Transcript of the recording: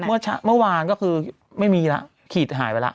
เมื่อวานก็คือไม่มีแล้วขีดหายไปแล้ว